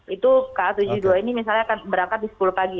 itu ka tujuh puluh dua ini misalnya akan berangkat di sepuluh pagi